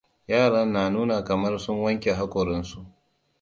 Yaran na nuna kamar sun wanke haƙoransu.